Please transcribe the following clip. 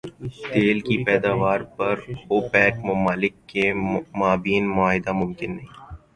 تیل کی پیداوار پر اوپیک ممالک کے مابین معاہدہ ممکن نہیں